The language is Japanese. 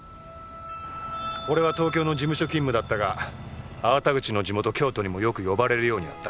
俺は東京の事務所勤務だったが粟田口の地元京都にもよく呼ばれるようになった。